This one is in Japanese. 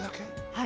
はい。